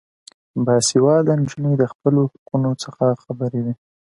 باسواده نجونې د خپلو حقونو څخه خبرې وي.